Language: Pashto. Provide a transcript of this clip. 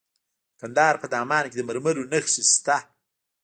د کندهار په دامان کې د مرمرو نښې شته.